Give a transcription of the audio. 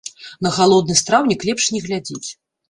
На галодны страўнік лепш не глядзець.